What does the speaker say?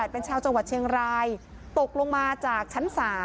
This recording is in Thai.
เป็นชาวจังหวัดเชียงรายตกลงมาจากชั้น๓